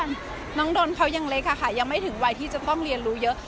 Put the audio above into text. น้องดนเขายังเล็กค่ะยังไม่ถึงวัยที่จะต้องเรียนรู้เยอะ